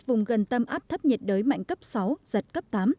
vùng gần tâm áp thấp nhiệt đới mạnh cấp sáu giật cấp tám